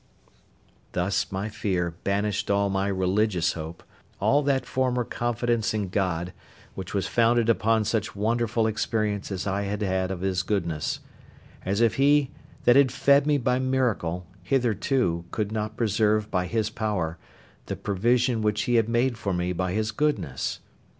Thus my fear banished all my religious hope, all that former confidence in God, which was founded upon such wonderful experience as I had had of His goodness; as if He that had fed me by miracle hitherto could not preserve, by His power, the provision which He had made for me by His goodness.